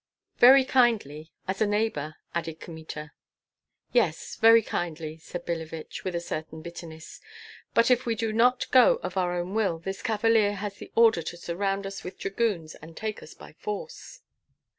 "Very kindly, as a neighbor," added Kmita. "Yes, very kindly," said Billevich, with a certain bitterness; "but if we do not go of our own will, this cavalier has the order to surround us with dragoons and take us by force."